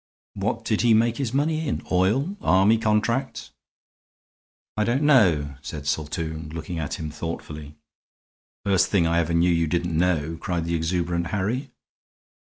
What did he make his money in? Oil? Army contracts?" "I don't know," said Saltoun, looking at him thoughtfully. "First thing I ever knew you didn't know," cried the exuberant Harry.